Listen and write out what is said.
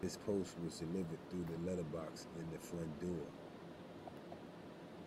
His post was delivered through the letterbox in his front door